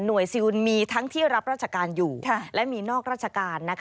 ซิลมีทั้งที่รับราชการอยู่และมีนอกราชการ